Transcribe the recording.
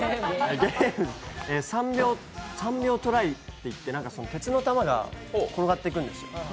「３秒トライ！」って言って、鉄の玉が転がっていくんですよ。